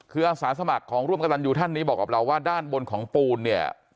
คืออาสาสมัครของร่วมกระตันยูท่านนี้บอกกับเราว่าด้านบนของปูนเนี่ย